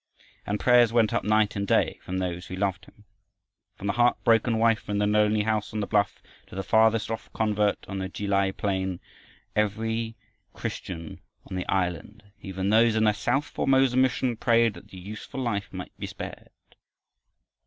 And prayers went up night and day from those who loved him. From the heart broken wife in the lonely house on the bluff to the farthest off convert on the Ki lai plain, every Christian on the island, even those in the south Formosa mission, prayed that the useful life might be spared.